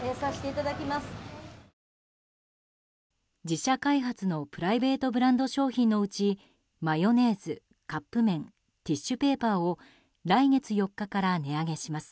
自社開発のプライベートブランド商品のうちマヨネーズ、カップ麺ティッシュペーパーを来月４日から値上げします。